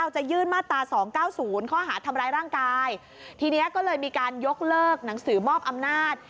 จะยื่นมาตราสองเก้าศูนย์ข้อหาทำร้ายร่างกายทีนี้ก็เลยมีการยกเลิกหนังสือมอบอำนาจ